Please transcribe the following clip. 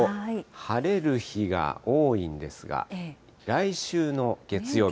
晴れる日が多いんですが、来週の月曜日。